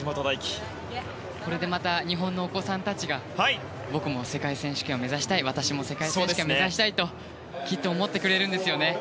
これでまた日本のお子さんたちが僕も世界選手権を目指したい私も世界選手権を目指したいときっと思ってくれるんですね。